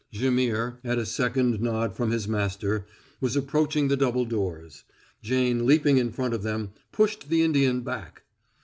Jaimihr, at a second nod from his master, was approaching the double doors. Jane, leaping in front of them, pushed the Indian back.